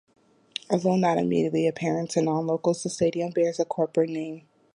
Although not immediately apparent to non-locals, the stadium bears a corporate name.